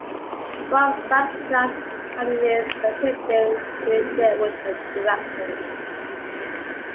One such class had in its attendance Bill Sherwood, a director.